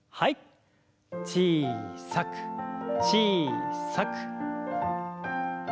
小さく小さく。